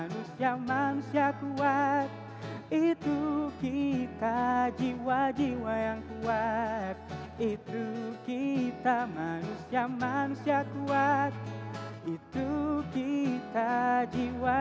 your magic manusia kuat itu kita jiwa jiwa jaguar manusia kuat itu kitames gamelan sekuat itu kita premi